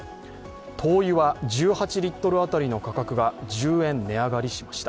灯油は１８リットル当たりの価格が１０円値上がりしました。